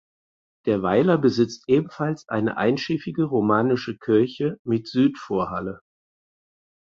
Der Weiler besitzt ebenfalls eine einschiffige romanische Kirche mit Südvorhalle.